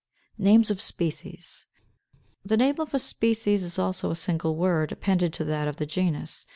537. =Names of Species.= The name of a species is also a single word, appended to that of the genus.